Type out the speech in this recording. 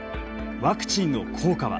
ワクチンの効果は？